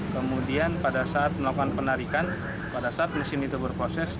kemudian pada saat melakukan penarikan pada saat mesin itu berproses